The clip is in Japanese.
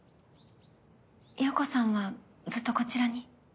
洋子さんはずっとこちらに？